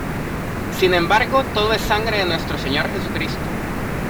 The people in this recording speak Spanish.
sin embargo, todo es sangre de Nuestro Señor Jesucristo.